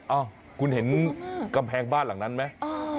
เอ้าคุณเห็นกำแพงบ้านหลังนั้นไหม